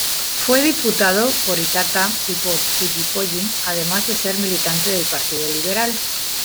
Fue diputado por Itata y por Collipulli además de ser militante del Partido Liberal.